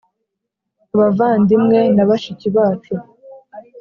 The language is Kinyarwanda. Abavandimwe na bashiki bacu